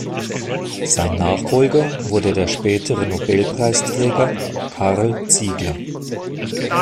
Sein Nachfolger wurde der spätere Nobelpreisträger Karl Ziegler.